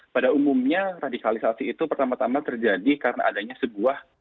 pada umumnya radikalisasi itu pertama tama terjadi karena adanya sebuah